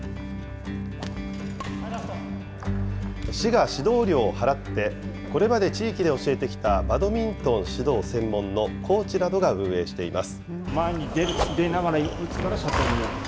市が指導料を払って、これまで地域で教えてきたバドミントン指導専門のコーチなどが運営しています。